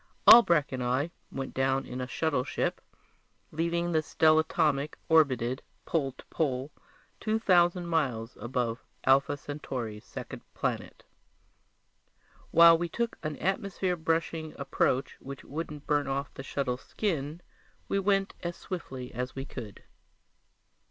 Albrecht and I went down in a shuttleship, leaving the stellatomic orbited pole to pole two thousand miles above Alpha Centauri's second planet. While we took an atmosphere brushing approach which wouldn't burn off the shuttle's skin, we went as swiftly as we could.